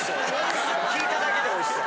聞いただけでおいしそう。